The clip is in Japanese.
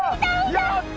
やった！